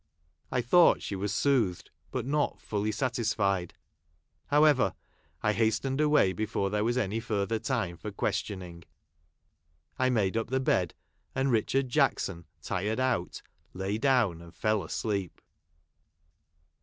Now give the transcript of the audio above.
I thought she was soothed, but not fully satisfied. However, I hastened away before there was any further time for questioning. I made up the bed ; and liichard Jackson, tired out, lay down and fell asleep.